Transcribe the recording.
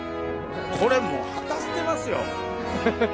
これもう果たしてますよ。